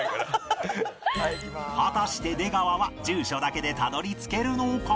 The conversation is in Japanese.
果たして出川は住所だけでたどり着けるのか？